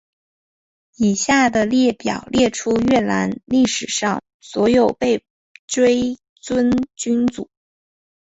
以下的列表列出越南历史上所有被追尊君主。